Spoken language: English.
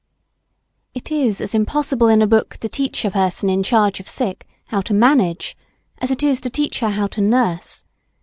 It is as impossible in a book to teach a person in charge of sick how to manage, as it is to teach her how to nurse.